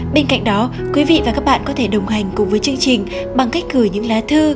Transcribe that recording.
bên cạnh đó quý vị và các bạn có thể đồng hành cùng với chương trình bằng cách gửi những lá thư